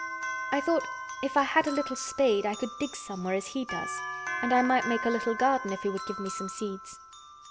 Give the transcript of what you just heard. I thought if I had a little spade I could dig somewhere as he does, and I might make a little garden if he would give me some seeds."